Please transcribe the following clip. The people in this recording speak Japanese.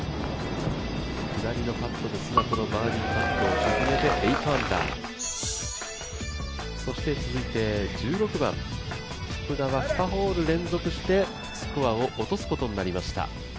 左のパットでバーディーを沈めて８アンダー、そして続いて１６番、福田は連続してスコアを落とすことになりました。